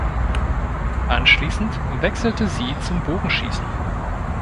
Anschließend wechselte sie zum Bogenschießen.